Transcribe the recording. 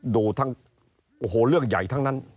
ดูทั้งโอ้โหเรื่องใหญ่ทั้งนั้น